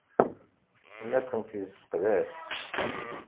La kent-yesseqdac.